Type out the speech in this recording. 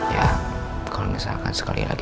ya kalau misalkan sekali hari